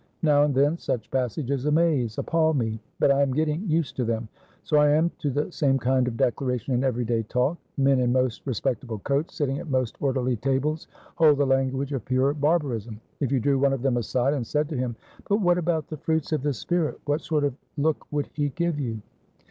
Now and then such passages amaze, appal mebut I am getting used to them. So I am to the same kind of declaration in everyday talk. Men in most respectable coats, sitting at most orderly tables, hold the language of pure barbarism. If you drew one of them aside, and said to him, 'But what about the fruits of the spirit?'what sort of look would he give you?"